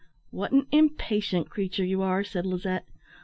"What an impatient creature you are!" said Lizette.